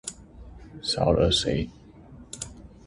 少了誰